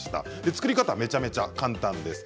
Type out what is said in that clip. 作り方はめちゃくちゃ簡単です。